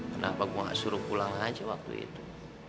kenapa gue suruh pulang aja waktu itu